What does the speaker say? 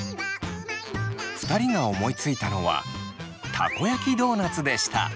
２人が思いついたのはたこ焼きドーナツでした。